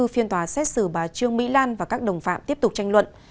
phiên tòa xét xử bà trương mỹ lan và các đồng phạm tiếp tục tranh luận